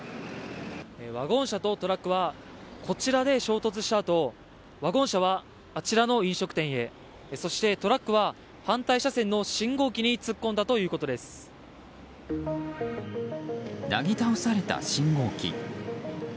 ワゴン車とトラックはこちらで衝突したあとワゴン車は、あちらの飲食店へそしてトラックは反対車線の信号機になぎ倒された信号機。